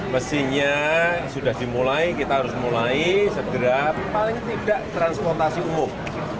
mestinya sudah dimulai kita harus mulai segera paling tidak transportasi umum